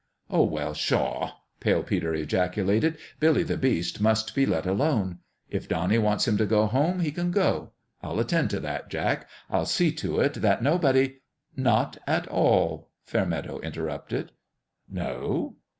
"Oh, well, pshaw!" Pale Peter ejaculated. " Billy the Beast must be let alone. If Donnie wants him to go home, he can go. I'll attend to that, Jack. I'll see to it that nobody "" Not at all !" Fairmeadow interrupted. "No?"